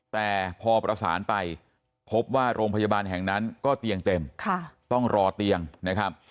แต่พอประสานไปพบว่าโรงพยาบาลแห่งนั้นก็เตียงเต็มต้องรอเตียงนะครับ